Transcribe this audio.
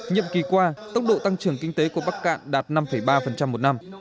nhiệm kỳ qua tốc độ tăng trưởng kinh tế của bắc cạn đạt năm ba một năm